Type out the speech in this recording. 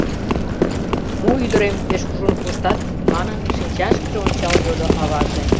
— Мо, ӱдырем, пеш кужун коштат? — манын, шинчашкыже ончал йодо аваже.